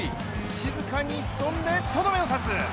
静かに潜んで、とどめを刺す。